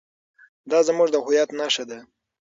دا زموږ د هویت نښه ده.